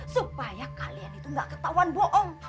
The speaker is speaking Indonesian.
supaya kalian itu gak ketahuan bohong